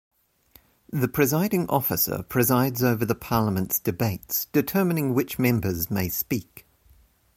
The Presiding Officer presides over the Parliament's debates, determining which members may speak.